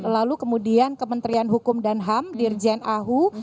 lalu kemudian kementerian hukum dan ham dirjen ahu